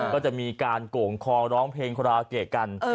ก็จะมีการโก่งคอร้องเพลงคาราโอเกะกัน